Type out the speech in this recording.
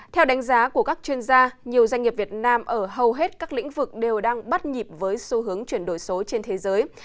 theo đánh giá của các chuyên gia nhiều doanh nghiệp việt nam ở hầu hết các lĩnh vực đều đang bắt nhịp với xu hướng chuyển đổi số trên thế giới